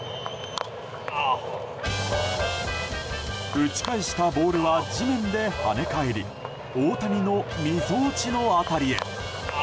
打ち返したボールは地面で跳ね返り大谷の、みぞおちの辺りへ。